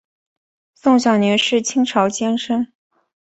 宋小濂是清朝监生。